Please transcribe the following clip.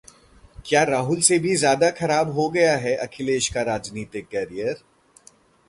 क्या राहुल से भी ज्यादा खराब हो गया है अखिलेश का राजनीतिक करियर?